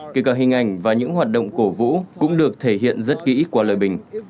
kể cả hình ảnh và những hoạt động cổ vũ cũng được thể hiện rất kỹ qua lời bình